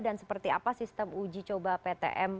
dan seperti apa sistem uji coba ptm